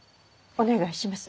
お願いします！